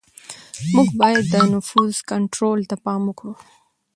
موږ باید د نفوس کنټرول ته پام وکړو.